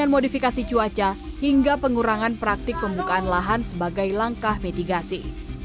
modifikasi cuaca hingga pengurangan praktik pembukaan lahan sebagai langkah mitigasi